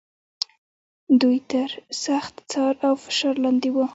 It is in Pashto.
دوی تر سخت څار او فشار لاندې و.